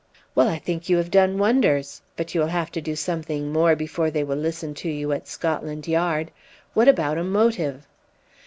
"Well! I think you have done wonders; but you will have to do something more before they will listen to you at Scotland Yard. What about a motive?"